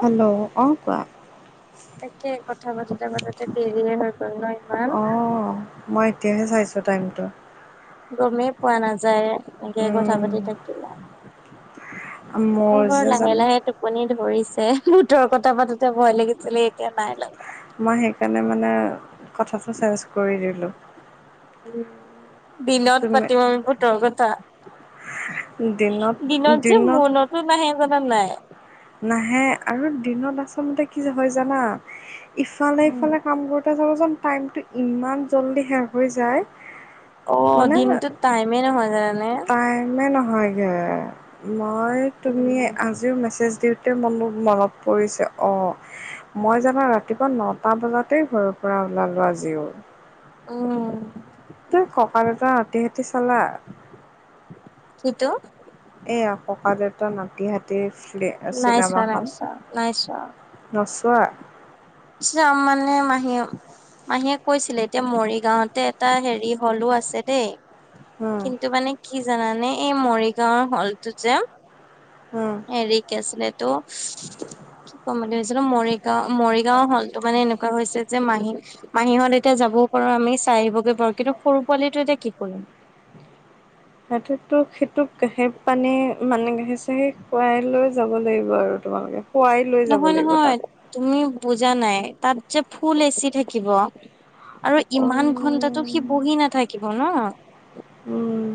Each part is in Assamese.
হেল্ল' অ', কোৱা। তাকে কথা পাতোতে পাতোতে দেৰিয়ে হৈ গ'ল ন ইমান। অঁ মই এতিয়াহে চাইছোঁ টাইমটো। গমেই পোৱা নাযায় এ। এনেকে কথা উম, পাতি থাকিলা! মোৰ বৰ যে যাম লাহে লাহে তুম। টোপনি ধৰিছে, ভূতৰ কথা পাতোঁতে ভয় লাগিছিল, এতিয়া নাই লগা। মই সেইকাৰণে মানে, কথাটো চেঞ্জ কৰি দিলোঁ। উঁ! দিনত তুমি পাতিম ভোটৰ কথা। দিনত যে মনতো নাহে, জানানে নাই। নাহে আৰু দিনত আচলতে কি হয় জানা, উম। ইফালে-ইফালে। কাম কৰোঁতে চাবচোন, টাইমটো ইমান জল্দি শেষ হৈ যায়। অঁ মানে দিনটোত টাইমে নহয় জানেনে। টাইমে নহয়গৈ মই, তুমি আজিও মেছেজ দিওঁ। এই মানুহ, মনত পৰিছে, অঁ। মই জানা ৰাতিপুৱা নটা বজাতেই ঘৰৰ পৰা ওলালোঁ আজিও। উম। তুমি ককাদেউতা নাতি-হাতী চালা। কি টো? এইয়া ককাদেউতা নাতি-হাতী আছিলে। নাই চোৱা, নাই চোৱা নাই চোৱা। নোচোৱা? চাম মানে মাহিয়ম। মাহীয়ে কৈছিলে! এতিয়া মৰিগাঁৱতে এটা হেৰি হলোঁ আছে দেই। উম, কিন্তু মানে কি জানানে, এই মৰিগাঁৱৰ হলটো যে। উম। হেৰিক আছিল টো, কি ক'ম বুলি ভাবিছিলোঁ মৰিগাঁও মৰি। গাঁও হলটো মানে, এনেকুৱা হৈছে যে মাহী। মাহীহত এতিয়া যাবও পাৰো। আমি চাই আহিবগৈ পাৰো, কিন্তু সৰু পোৱালিটো এতিয়া কি কৰিম। এইটোতকৈ সিটোক গাখীৰ-পানী মানে, গাখীৰ-চাখীৰ খুৱাই লৈ যাব লাগিব আৰু তোমালোকে। খোৱাই লৈ যাব লাগিব নহয়-নহয় তাক। তুমি বুজা নাই, তাত যে ফুল এ চি থাকিব। আৰু অ', ইমান ঘন্টাটো সি বহি নাথাকিব ন। উম।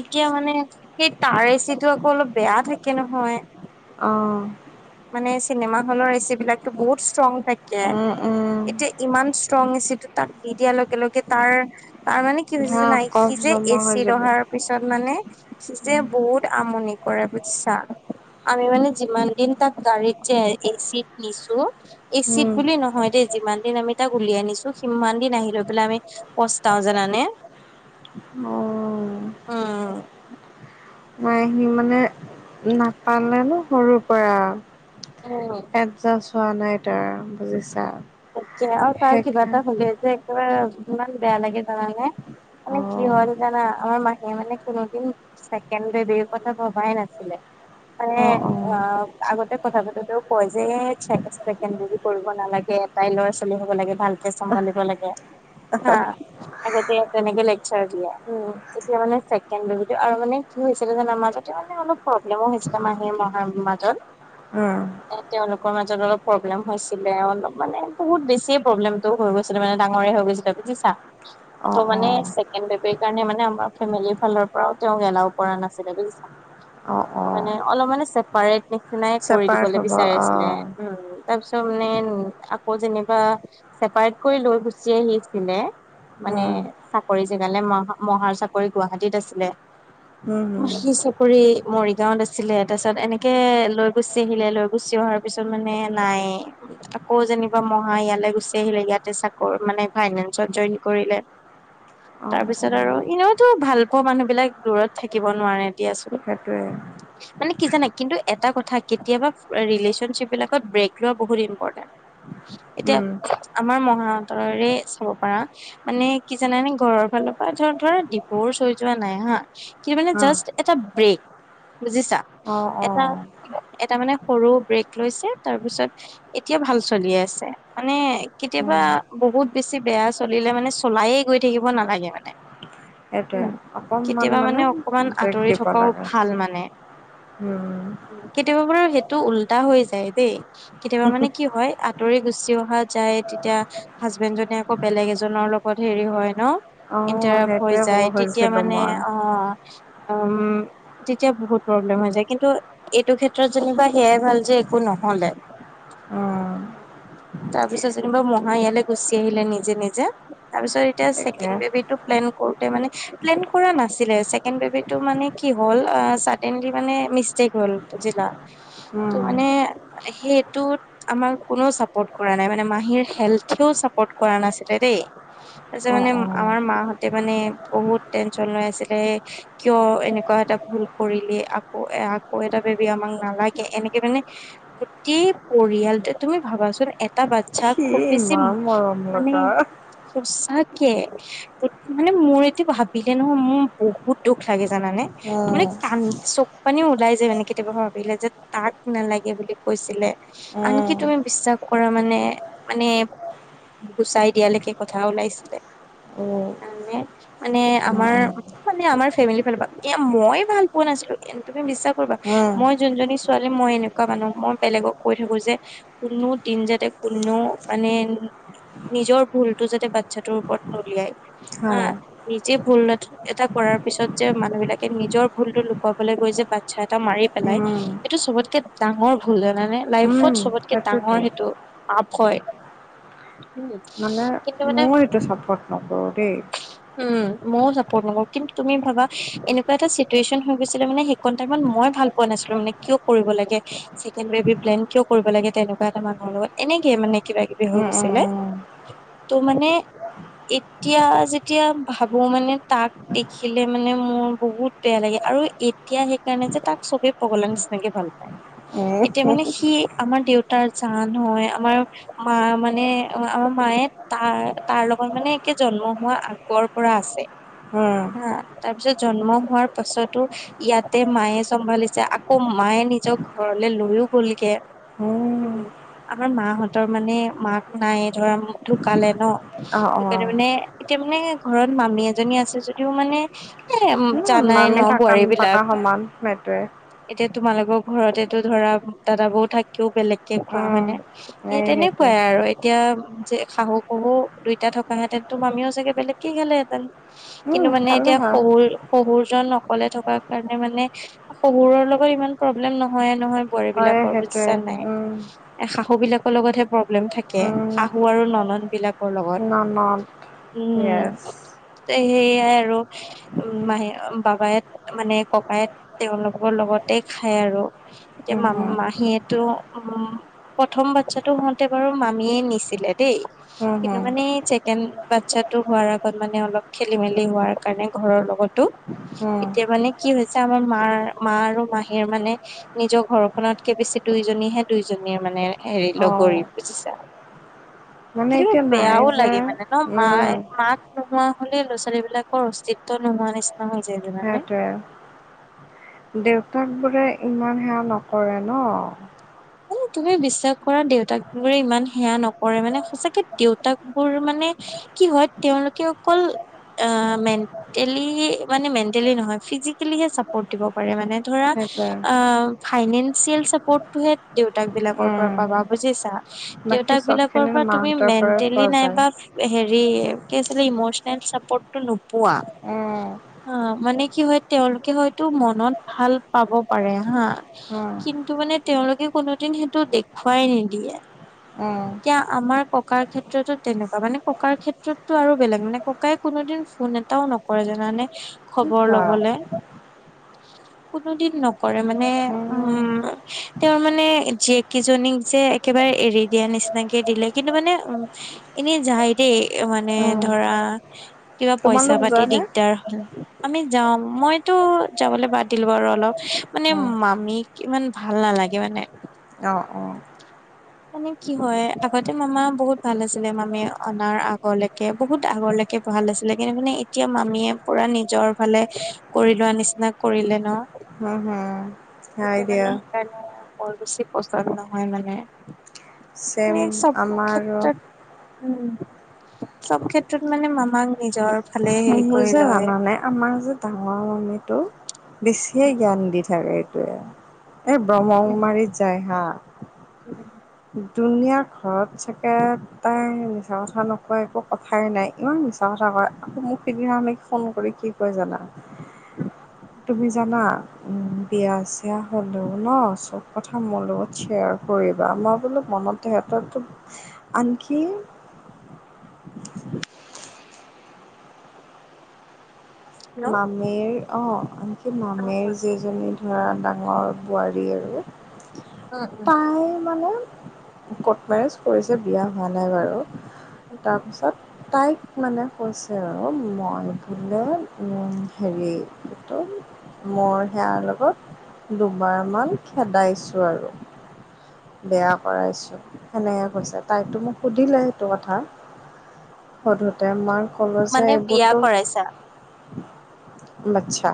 এতিয়া মানে, সেই তাৰ এচিটো আকৌ অলপ বেয়া থাকে নহয়। অঁ। মানে চিনেমা হলৰ এ চি বিলাকো বহুত ষ্ট্ৰং থাকে। উম, উম। এতিয়া ইমান ষ্ট্ৰং এ চি টো তাক দিয়াৰ লগে লগে তাৰ, তাৰ মানে। কি যে হৈছে হা জানা, সি কফ যে জমা হৈ এচি যাব অহাৰ পিছত মানে, সি যে বহুত আমনি। কৰে বুজিছা! আমি মানে যিমান দিন তাত। গাড়ীত যে এচিত নিছোঁ, এচি ত উম বুলি নহয় দেই। যিমান দিন আমি তাক উলিয়াই আনিছোঁ, সিমান দিন আহি লৈ পেলাই আমি পস্তাও, জানানে। অঁ। অ অ। মাই আহি মানে, নাপালে ন সৰুৰ পৰা। উম এডজাচ হোৱা নাই তাৰ, বুজিছা। এতিয়া! আৰু তাৰ কিবা সেইকাৰ এটা হ'লে যে একেবাৰে মন বেয়া লাগে, জানানে। মানে অ কি হ'ল জানা? আমাৰ মাহীয়ে মানে কোনোদিন। ছেকেণ্ডব কথা ভবাই নাছিলে মানে, অ অ উম অঁ। আগতে কথা পাতোঁতেও কয় যে ছে ছেকেণ্ডাৰি কৰিব নালাগে। এটাই ল'ৰা-ছোৱালী হ'ব লাগে, ভালকে চম্ভালিব লাগে, হা। আগতে তেনেকে লেকচাৰ দিয়ে, উম, এতিয়া মানিছে আৰু মানে! কি হৈছিলে যে মাজতে মানে অলপ। প্ৰব্লেমো হৈছিলে মানে মাহৰ মাজত। অঁ। এ তেওঁলোকৰ মাজত অলপ প্ৰব্লেম হৈছিলে অলপ। মানে বহুত বেছিয়ে প্ৰব্লেমটো হৈ গৈছিলে মানে ডাঙৰে হৈ গৈছিলে বুজিছা অ ত' অ মানে। ছেকেণ্ড বেবিৰ কাৰণে মানে আমাৰ ফেমিলিৰ ফালৰ পৰাও তেওঁক এলাও কৰা নাছিলে বুজিছা। অ অ ত' মানে অলপ মানে চেপাৰেট নিচিনাই কৰি চেপাৰেট দিবলে হ'ব বিচাৰি অ আছিলে, উম। তাৰপিছত মানে আকৌ যেনিবা চেপাৰেট কৰি লৈ গুচি আহিছিলে। মানে উম চাকৰি জেগালে মহা মহাৰ চাকৰি গুৱাহাটীত আছিলে। হুম হুম মাহিছেপ। চাকৰি মৰিগাঁৱত আছিলে, তাৰপিছত এনেকৈ লৈ গুচি আহিলে, লৈ গুচি অহাৰ পিছত মানে নাই। তাক। আকৌ যেনিবা মহা ইয়ালৈ গুচি আহিলে ইয়াতে চাকৰ মানে ফাইনেন্সত জইন কৰিলে। অ তাৰ অ পিছত আৰু এনেওতো ভাল পোৱা মানুহ বিলাক দূৰত থাকিব নোৱাৰে দিয়াচোন। সেইটোৱে। মানে কি জানা কিন্তু এটা কথা কেতিয়াবা ৰিলেশ্যনশ্বিপ বিলাকত ব্ৰেক লোৱা বহুত ইম্পৰ্টেন্ট। এতিয়া উম আমাৰ মহাহঁতৰে চাব পাৰা। মানে কি জানানে ঘৰৰ ফালৰ পৰা ধ ধৰা ডিভোৰ্চ হৈ যোৱা নাই হা। কিন্তু মানে হা জাষ্ট এটা ব্ৰেক বুজিছা। অ অ এটা এটা মানে সৰু ব্ৰেক লৈছে তাৰপিছত এতিয়া ভাল। চলি আছে মানে কেতিয়াবা উম বহুত বেছি বেয়া চলিলে মানে চলায়ে গৈ থাকিব নালাগে মানে। সেইটোৱে অকণমান কেতিয়াবা মানে অকমান ব্ৰেক আঁতৰি দিব থকাও লাগে ভাল মানে। উম। কেতিয়াবা বাৰু সেইটো উল্টা হৈ যায় দেই কেতিয়াবা মানে কি হয়। আঁতৰি গুচি অহা যায় তেতিয়া। হাজবেণ্ড জনে আকৌ বেলেগ এজনৰ লগত হেৰি হয় ন'। অ', ইণ্টাৰাপ হৈ সেইটোৱে ক'ব যায় তেতিয়া খুজিছিলো মানে মই। আ উম। তেতিয়া বহুত প্ৰব্লেম হৈ যায় কিন্তু এইটো ক্ষেত্ৰত যেনিবা সেয়াই ভাল যে একো নহলে। অ'। তাৰ পিছত যেনিবা মহা ইয়ালৈ গুচি আহিলে নিজে নিজে তাৰ পিছত। এতিয়া তাকে ছেকেণ্ড বেবিটোক। প্লেন কৰোতে মানে প্লেন কৰা নাছিলে ছেকেণ্ড বেবিটো মানে কি হ'ল চাদেনলি মানে মিচটেইক। হ'ল বুজিলা ত' উম, মানে সেইটোত আমাক। কোনেও চাপৰ্ট কৰা নাই মানে মাহীৰ হেল্থেও চাপোৰ্ট কৰা নাছিলে দেই। তাৰপিছত অ', মানে অ'। আমাৰ মাহঁতে মানে বহুত টেনচন লৈ আছিলে। কিয় এনেকুৱা এটা ভুল কৰিলে আকৌ এ আকৌ এটা বেবী আমাক নালাগে এনেকে মানে। কি পৰিয়াল তে তুমি ভাবাচোন এটা বাচ্ছা সি খুব। বেছি ইমান মৰম মানে। লগা। সচাকে মানে মোৰ এইটো ভাবিলে নহয় মোৰ। বহুত দুখ লাগে জানানে মানে উম, কান। চকু পানীও ওলাই যায় কেতিয়াবা ভাবিলে যে তাক নালাগে বুলি কৈছিলে আনকি। উম, তুমি বিশ্বাস কৰা মানে মানে। গুচাই দিয়ালৈকে কথা ওলাইছিলে উম, তাৰমানে। মানে উম, আমাৰ উম, মানে আমাৰ ফেমিলিৰ ফালৰ পৰা এ মই ভাল পোৱা নাছিলো তুমি বিশ্বাস কৰিবা। উম, মই যোনজনী ছোৱালী মই এনেকুৱা মানুহ মই বেলেগক কৈ থাকো যে। কোনো দিন যাতে কোনেও মানে। নিজৰ ভুলটো যাতে বাচ্ছাটোৰ ওপৰত নুলিয়াই হা। হয়। নিজে ভুল এটা কৰাৰ পিছত যে মানুহ বিলাকে নিজৰ ভুলতো লুকুৱাবলৈ গৈ যে বা। বাচ্ছা এটা মাৰি পেলাই উম, এইটো চবতকে ডাঙৰ ভুল জানানে লাইফত উম, চবতকে। সেইটোৱেতো ডাঙৰ সেইটো পাপ হয়। উম মানে কিন্তু মানে মইও এইটো ছাপৰ্ট নকৰোঁ দেই। উম মইয়ও চাপৰ্ট নকৰো কিন্তু তুমি ভাবা এনেকুৱা এটা চিটুৱেচন হৈ গৈছিলে মানে। [unintelligible] টাইমত মই ভাল পোৱা নাছিলো মানে কিয় কৰিব লাগে ছেকেণ্ড বেবি প্লেন কিয় কৰিব লাগে। তেনেকুৱা এটা মানুহৰ লগত এনেকে মানে কিবা কিবি হৈ উম, উম, গৈছিলে উম, ত' মানে এতিয়া যেতিয়া ভাবো মানে তাক দেখিলে মানে মোৰ বহুত বেয়া লাগে আৰু এতিয়া সেইকাৰণে যে তাক চবে পগলা নিচিনাকে ভাল পায় উম, এতিয়া মানে সি আমাৰ দেউতাৰ জান হয় আমাৰ মা মানে আমাৰ মায়ে তাৰ তাৰ লগত মানে একে জন্ম হোৱা আগ আগৰ পৰা আছে উম, হা তাৰ পিছত জন্ম হোৱাৰ পাছতো - ইয়াতে মায়ে চম্ভালিছে আকৌ মায়ে নিজৰ ঘৰলে লৈয়ও গলগে। উ উম, আমাৰ মাহঁতৰ মানে মাক নাই ধৰা ঢুকালে ন অ', সেইকাৰণে অ', মানে এতিয়া মানে ঘৰত মামী এজনী আছে যদিও মানে এ জানাই ন মামী থকা বোৱাৰী নথকা বিলাক। সমান সেইটোৱেই এতিয়া তোমালোকৰ ঘৰতে টো ধৰা দাদা বৌ থাকিও বেলেগকে খোৱা হয় উম, নে সেই এই সেইটোৱে তেনেকুৱাই আৰু এতিয়া যে শাহু শহু দুইটা থকাহেঁতেনো মামীও চাগে বেলেগকে খেলেহেঁতেন। উম, কিন্তু মানে খালে এতিয়া হয়। শহুৰ শহুৰ জন অকলে থকাৰ কাৰণে মানে শহুৰৰ লগত ইমান প্ৰব্লেম নহয়ে নহয় বোৱাৰী হয় বিলাকৰ সেইটোৱে বুইছা নে নাই, উম এ শাহু বিলাকৰ লগতহে প্ৰব্লেম থাকে উম শাহু আৰু ননদ বিলাক মোৰ লগত ননদ উ য়েছ সেইয়াই আৰু মাহে বাবায়ে মানে ককায়েক তেওঁলোকৰ লগতে খায় আৰু এতিয়া হুম মা হুম মাহীয়েতো উ প্ৰথম বাচ্ছাটো হওঁতে বাৰু মামীয়ে নিছিলে। দেই হুম কিন্তু হুম মানে চেকেণ্ড বাচ্ছাতটো হোৱাৰ আগত মানে অলপ খেলি মেলি হোৱাৰ কাৰণে ঘৰৰ লগতো হুম এতিয়া মানে কি হৈছে আমাৰ মাৰ মা আৰু মাহীৰ মানে নিজৰ ঘৰখনতকে বেছি দুইজনীহে দুইজনীৰ মানে হেৰি অ লগৰী বুজিছা মানে কিন্তু এতিয়া নাই বেয়াও যে লাগে মানে এক মা উম মাক নোহোৱা হলে ল'ৰা ছোৱালী বিলাকৰ অসিত্ব নোহোৱা নিচিনা, ন হৈ যায় লত সেইটোৱে দেউতাক বোৰে ইমান সেয়া নকৰে ন মানে তুমি বিশ্বাস কৰা দেউতাক বোৰে ইমান সেয়া নকৰে মানে সঁচাকে দেউতাক বোৰ মানে কি হয় তেওঁলোকে অকল অ মেনটেলি মানে মেনটেলি নহয় ফিজিকেলি হে থাকিব পাৰে মানে ধৰা সেইটোৱে ফাইনেলঞ্চিয়েল চাপৰ্ট টো হে দেউতাক বিলাকৰ পৰা উম পাবা বুজিছা। বাকী দেউতাক বিলাকৰ চবখিনি পৰা তুমি মাহঁতৰ পৰাই পোৱা মেন্টেলি যায় নাইবা এ হেৰি কি আছিলে ইমচনেল চাপৰ্টটো নোপোৱা। উম অহ মানে কি হয় তেওঁলোকে হয়তো মনত ভাল পাব পাৰে হা। উম কিন্তু মানে তেওঁলোকে কোনোদিন সেইটো দেখুৱাই নিদিয়ে। অহ। এতিয়া আমাৰ ককাৰ ক্ষেত্ৰতো তেনেকুৱা মানে ককাৰ ক্ষেত্ৰতো আৰু বেলেগ মানে ককাই কোনোদিন ফোন এ এটাও নকৰে জানানে কি খবৰ কোৱা লবলে। কোনো দিন নকৰে মানে উম তেওঁৰ মান মানে জীয়েক কেইজনীক যে একেবাৰে এৰি দিয়া নিচিনাকে দিলে কিন্তু মানে উম। এনেই যায় দেই মানে উম ধৰা কিবা পইচা তোমালোক পাতি যোৱা নে দিগদাৰ হল। আমি যাওঁ মইতো যাবলৈ বাদ দিলোঁ আৰু অলপ মানে উম মামীক। ইমান ভাল নালাগে মানে। অহ অহ। [unintelligible] মানে কি হয় আগতে মামা বহুত ভাল আছিলে মামীয়ে অনাৰ আগলৈকে বহুত আগৰলে। কে ভাল আছিলে কিন্তু মানে এতিয়া মামীয়ে পোৰা নিজৰ ফালে কৰি লোৱা নিচিনা কৰিলে ন। উহ উহ হয় তেতিয়া দিয়া। মানে সেইকাৰণে বৰ বেছি পন্দ নহয় মানে। ছেম মানে চব আমাৰ ক্ষেত্ৰত। উম চব ক্ষেত্ৰত মানে মামাক নিজৰ। ফালে হেৰি মোৰো কৰি যে লয় জানা নাই। আমাৰ যে ডাঙৰ মামীটো বেছিয়ে জ্ঞান দি থাকে এইটোৱে। এই ব্ৰহ্ম‍ং মাৰিত যায় হা। উম। ধুনীয়া ঘৰত চাগে। তাই মিছা কথা নকয় একো কথাই নাই ইমান মিছা কথা কয় আকৌ মোক। সিদিনা আমি ফোন কৰি কি কয় জানা। উম। তুমি জানা। বিয়া চিয়া হ'লেও ন চব কথা মোৰ লগত শ্বেয়াৰ কৰিবা মই বোলো মনত। তেখেতক টো আন কি। মামীৰ অঁ আনকি উম মামীৰ যিজনী ধৰা ডাঙৰ বোৱাৰী আৰু। উম তাই মানে। কৰ্ট মেৰিজ কৰিছে বিয়া হোৱা নাই বাৰু তাৰপিছত তাইক। মানে কৈছে আৰু মই বোলে। উম হেৰি এইটো মোৰ সেয়াৰ লগত। দুবাৰমান খেদাইছোঁ আৰু। বিয়া কৰাইছো সেনেকে কৈছে তাইতো মোক সুধিলে সেইটো কথা। [unintelligible] সুধোতে মই ক'লো যে এইবোৰতো। পাইছা। বাচ্ছা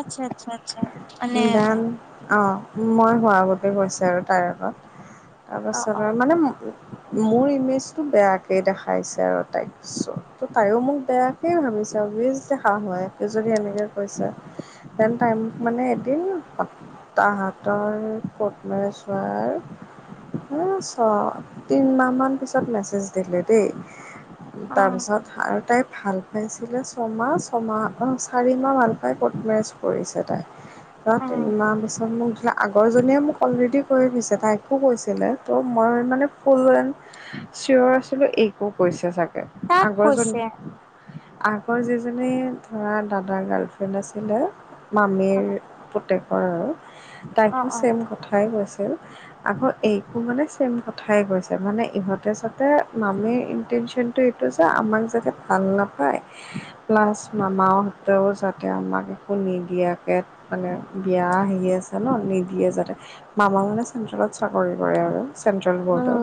আচ্ছা আচ্ছা আচ্ছা। মানে দান অহ মই হোৱা আগতেই কৈছে আৰু তাইৰ আগত। অ অ তাৰপাছত আৰু মানে মোৰ ইমেজটো বেয়াকেই দেখাইছে আৰু তাইক। চো ত তাইয়ো মোক বেয়াকেই ভাবিছে অবিএচলি হা সোমাই যদি এনেকে কৈছো। তেন তাই মানে তিন সপ্তাহ তাহাতৰ কৰ্টমেৰেজ হোৱাৰ এ ছ তিনমাহ মান পিছত মেছেজ দিলে দেই অ তাৰ পিছত আৰু তাই ভাল পাইছিলে ছমাহ ছমাহ অহ চাৰিমাহ মান পাই ক'ৰ্ট মেৰেজ কৰিছে তাই [unintelligible] অ আগৰজনীয়ে মোক অলৰেডি কৈ দিছে তাইকো কৈছিলে ত' মই মানে ফুল ৰেণ্ড চিয়ৰ আছিলো এইকো কৈছে চাগে তাক আগৰ জনী কৈছে আগৰ যিজনী ধৰা দাদাৰ গাৰ্লফ্ৰেণ্ড আছিলে অ মামীৰ পুতেকৰ আৰু অ তাইকো অ ছেম কথাই কৈছিল আকৌ এইকো মানে ছেম কথাই কৈছে মানে ইহঁতে যাতে মামীৰ ইনটেনচন টো এইটো যে আমাক যাতে ভাল নাপায় প্লাছ মামাহঁতেও যাতে আমাক একো নিদিয়াকে মানে বিয়া আহি আছে ন নিদিয়ে যাতে মামাও মানে চেণ্ট্ৰেলত চাকৰি কৰে আৰু চেণ্ট্ৰেল উম বৰ্ডৰ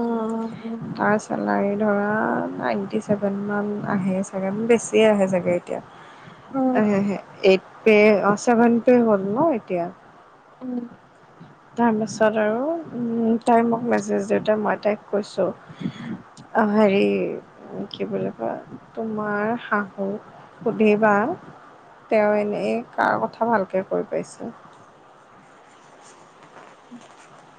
উম তাছ চেলাৰী ধৰা নাইণ্টি চেভেনমান আহে চাগে মানে বেছিয়ে আহে চাগে না তিয়া উম এইট পে অ ছেভেন পে হ'ল ন এতিয়া উম তাৰপাছত আৰু উম তাই মোক মেছেজ দিওঁতে মই তাইক কৈছোঁ অ হেৰি কি বুলি কয় তোমাৰ শাহু সুধিবা তেওঁ এনেই কাৰ কথা ভালকে কৈ পাইছে [inaudible]